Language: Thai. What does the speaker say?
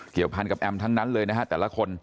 เกี่ยวพันธุ์กับแอมทั้งนั้นเลยนะเท่าละคน